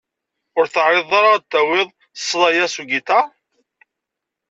Ur teεriḍeḍ ara ad d-tawiḍ ssḍa-ya s ugiṭar?